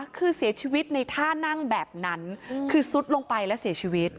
คือเสียชีวิตในท่านั่งแบบนั้นคือซุดลงไปและเสียชีวิต